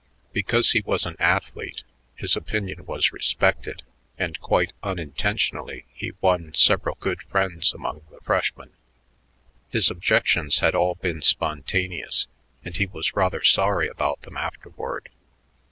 Because he was an athlete, his opinion was respected, and quite unintentionally he won several good friends among the freshmen. His objections had all been spontaneous, and he was rather sorry about them afterward.